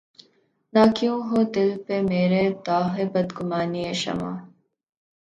نہ کیوں ہو دل پہ مرے داغِ بدگمانیِ شمع